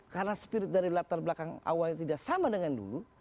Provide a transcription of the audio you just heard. karena spirit dari latar belakang awalnya tidak sama dengan dulu